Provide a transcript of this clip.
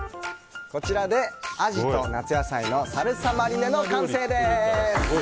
アジと夏野菜のサルサマリネの完成です。